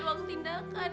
kake ngapain dia bajak